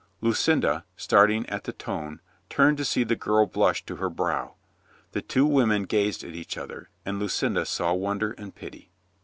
Lucinda, starting at the tone, turned to see the girl blush to her brow. The two women gazed at each other, and Lucinda saw wonder and pity.